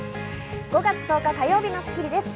５月１０日、火曜日の『スッキリ』です。